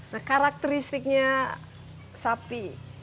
nah karakteristiknya sapi